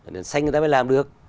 đèn xanh người ta mới làm được